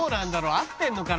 合ってるのかな？